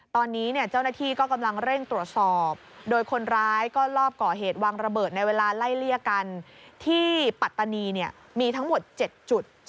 ตอนนี้เจ้าหน้าที่ก็กำลังเร่งตรวจสอบโดยคนร้ายก็ลอบก่อเหตุวางระเบิดในเวลาไล่เลี่ยกันที่ปัตตานีมีทั้งหมด๗จุด